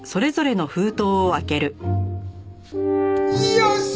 よし！